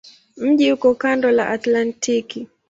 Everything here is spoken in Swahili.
Mji uko kando la Atlantiki.